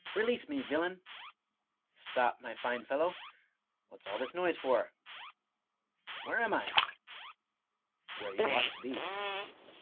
" Release me, villain I "—" Stop, my fine fellow, what's all this noise for? "" Where am I ?"" Where you ought to be."